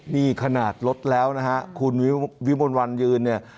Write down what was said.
นี่ขนาดรถแล้วนะฮะคุณวิมลวันยืนเนี่ย